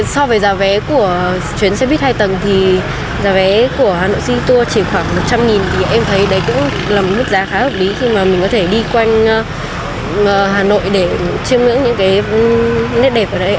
so với giá vé của chuyến xe buýt hai tầng thì giá vé của hà nội cit tour chỉ khoảng một trăm linh thì em thấy đấy cũng là một mức giá khá hợp lý khi mà mình có thể đi quanh hà nội để chiêm ngưỡng những cái nét đẹp ở đây